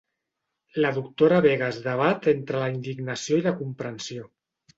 La doctora Vega es debat entre la indignació i la comprensió.